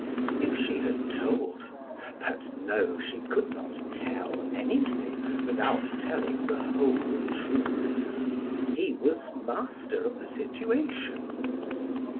If she had told but no, she could not tell anything without telling the whole truth! He was master of the situation!